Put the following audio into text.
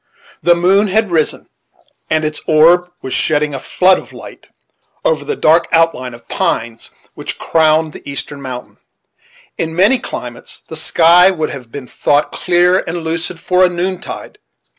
The moon had risen, and its orb was shedding a flood of light over the dark outline of pines which crowned the eastern mountain. In many climates the sky would have been thought clear and lucid for a noontide.